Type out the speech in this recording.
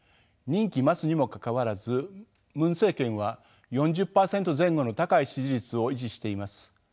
任期末にもかかわらずムン政権は４０％前後の高い支持率を維持しています。